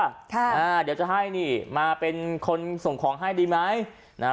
อ่าเดี๋ยวจะให้นี่มาเป็นคนส่งของให้ดีไหมนะฮะ